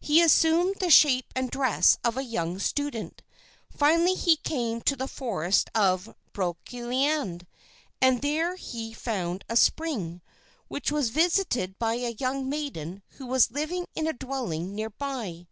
He assumed the shape and dress of a young student. Finally he came to the forest of Brocéliande, and there he found a spring, which was visited by a young maiden who lived in a dwelling near by.